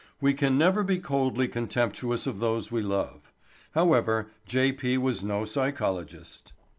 We can never be coldly contemptuous of those we love. However, J. P. was no psychologist.